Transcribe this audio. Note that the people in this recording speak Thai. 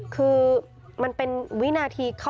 คือมันเป็นวินาทีเขา